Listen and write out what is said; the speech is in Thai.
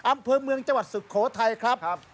อำเภอเมืองจังหวัดสุโขทัยครับ